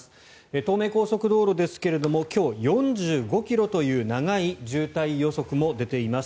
東名高速道路ですが今日、４５ｋｍという長い渋滞予測も出ています。